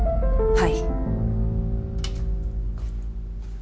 はい。